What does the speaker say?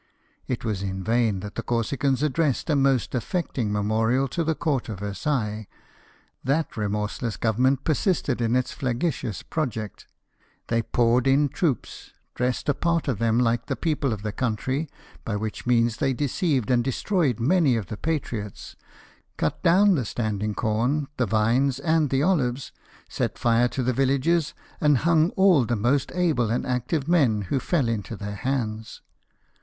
It was in vain that the Corsicans addressed a most affecting memorial to the court of Versailles : that remorseless Government persisted in its flagitious project. They poured in troops; dressed a part of them like the people of the country, by which means they deceived and destroyed many of the patriots : cut down the standing corn, the vines, and the olives ; set fire to the villages and hung all the most able and active men who fell into their hands.